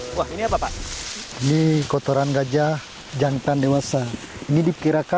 tim delapan tidak terlalu rutin dalam melakukan patrolinya